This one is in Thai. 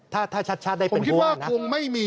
ถ้าชัดได้เป็นความนะมมคงคิดว่าคงไม่มี